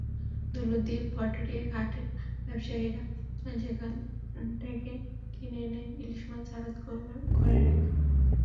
দৌলতদিয়া-পাটুরিয়া ঘাটের ব্যবসায়ীরা সেখান থেকে কিনে এনে ইলিশ মাছ আড়ত ঘরে রাখে।